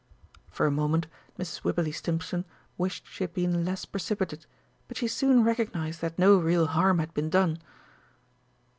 For a moment Mrs. Wibberley Stimpson wished she had been less precipitate, but she soon recognised that no real harm had been done.